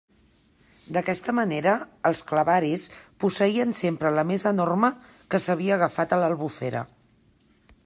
D'aquesta manera els clavaris posseïen sempre la més enorme que s'havia agafat a l'Albufera.